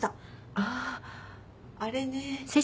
あっあれね。